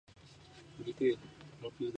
Su cola es pequeña, ahorquillada y estrecha.